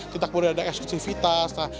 tidak boleh ada eksklusivitas